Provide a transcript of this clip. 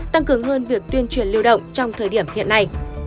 tăng cường hơn việc tuyên truyền lưu động trong thời điểm hiện nay